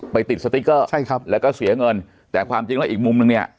ติดสติ๊กเกอร์ใช่ครับแล้วก็เสียเงินแต่ความจริงแล้วอีกมุมนึงเนี่ย